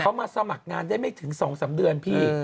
เขามาสมัครงานได้ไม่ถึง๒๓เดือนพี่